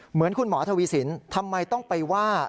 เหมือนคุณหมอทวีสินทำไมต้องไปว่า